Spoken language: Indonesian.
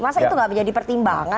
masa itu gak menjadi pertimbangan